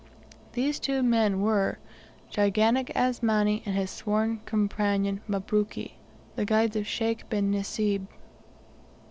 These two men were, gigantic Asmani and his sworn companion Mabruki, the guides of Sheikh bin Nasib.